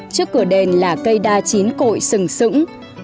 trước cửa đền là cây đa chín cội sừng sững